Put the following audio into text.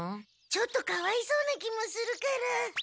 ちょっとかわいそうな気もするから。